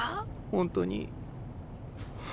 本当に。